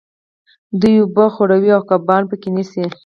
دوی اوبه خړوي او کبان په کې نیسي.